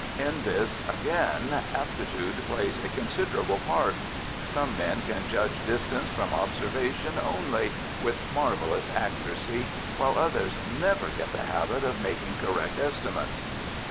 In this, again, aptitude plays a considerable part; some men can judge distance from observation only with marvellous accuracy, while others never get the habit of making correct estimates.